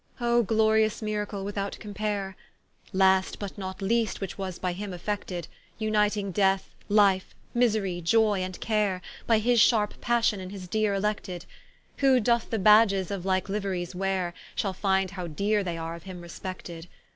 O glorious miracle without compare! Last, but not least which was by him effected; Vniting death, life, misery, joy and care, By his sharpe passion in his deere elected: Who doth the Badges of like Liueries weare, Shall find how deere they are of him respected.